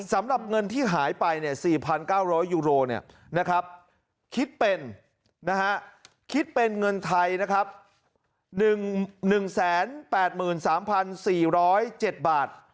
สำหรับเงินที่หายไป๔๙๐๐ยูโรคิดเป็นเงินไทย๑๐๘๓๔๐๗บาท